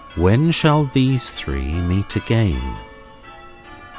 WHEN SHALL THESE THREE MEET AGAIN?